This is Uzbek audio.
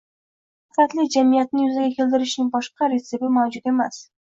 Muvaffaqiyatli jamiyatni yuzaga keltirishning boshqa retsepti mavjud emas.